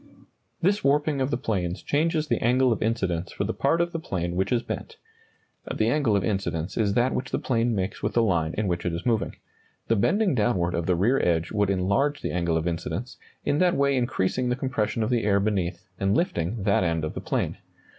This warping of the planes changes the angle of incidence for the part of the plane which is bent. (The angle of incidence is that which the plane makes with the line in which it is moving. The bending downward of the rear edge would enlarge the angle of incidence, in that way increasing the compression of the air beneath, and lifting that end of the plane.)